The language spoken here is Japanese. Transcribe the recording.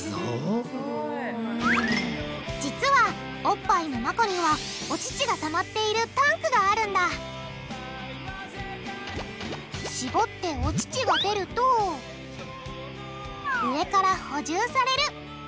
実はおっぱいの中にはお乳がたまっているタンクがあるんだしぼってお乳が出ると上から補充される。